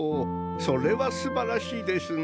それはすばらしいですな。